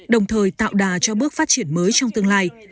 đồng thời tạo đà cho bước phát triển mới trong tương lai